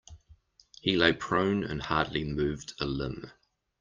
He lay prone and hardly moved a limb.